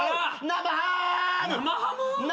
「生ハム」？